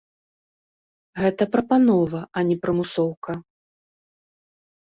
Гэта прапанова, а не прымусоўка.